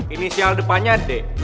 inisial depannya d